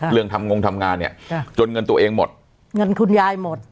เรื่องทำงงทำงานเนี่ยจนเงินตัวเองหมดเงินคุณยายหมด